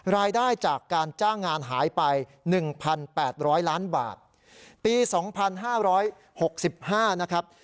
รายได้จากการจ้างงานหายไป๑๘๐๐ล้านบาทปี๒๕๖๕นะครับ